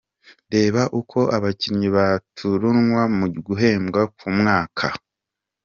Reba uko aba bakinnyi barutanwa mu guhembwa ku mwaka, muri uyu mwaka w’imikino.